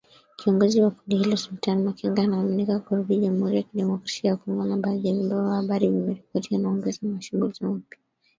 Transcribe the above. Kiongozi wa kundi hilo, Sultani Makenga anaaminika kurudi Jamhuri ya Kidemokrasia ya Kongo na badhi ya vyombo vya habari vimeripoti anaongoza mashambulizi mapya